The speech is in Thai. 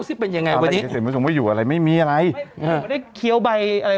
ซิเป็นยังไงวันนี้เห็นว่าอยู่อะไรไม่มีอะไรไม่ได้เคี้ยวใบอะไร